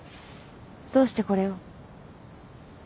どうしてこれを？